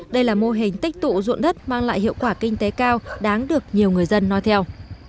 đây là mô hình tích tụ ruộng đất mang lại hiệu quả kinh tế cao đáng được nhiều người dân nói theo